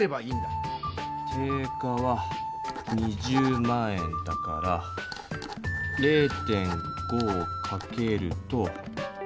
定価は２０万円だから０．５をかけると１０万円。